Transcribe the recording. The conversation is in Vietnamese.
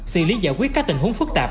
xị lý giải quyết các tình huống phức tạp